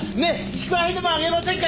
祝杯でも上げませんか？